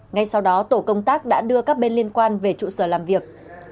ngay sau đó tổ công tác đã đưa các bên liên quan về trụ sở làm việc